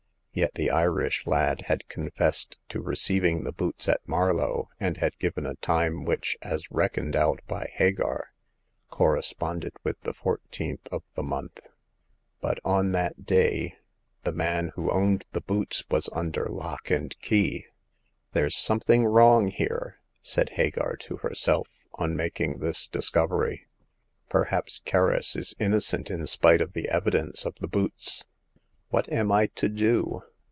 Yet the Irish lad had confessed to receiving the boots at Marlow, and had given a time which, as reckoned out by Hagar, corresponded with the fourteenth of the month. But on that day the man who owned the boots was under lock and key. There's something wrong here,*' said Hagar to herself, on making this discovery. Perhaps Kerris is innocent in spite of the evidence of the boots. What am I to do?